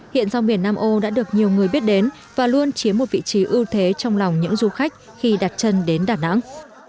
hiện rong biển nam âu đã được nhiều người biết đến và luôn chiếm một vị trí ưu thế trong lòng những du khách khi đặt chân đến đà nẵng